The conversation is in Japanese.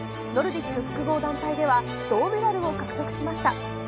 ノルディック複合団体では銅メダルを獲得しました。